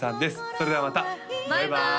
それではまたバイバーイ！